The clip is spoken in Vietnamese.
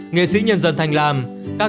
nghệ sĩ nhân dân thanh lam các